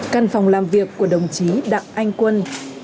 căn phòng làm việc của đồng chí đặng anh quân